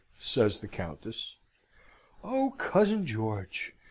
says the Countess. "Oh, cousin George!